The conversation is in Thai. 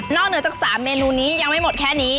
เหนือจาก๓เมนูนี้ยังไม่หมดแค่นี้